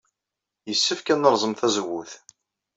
Yessefk ad nerẓem tazewwut.